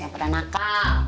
yang pada nakal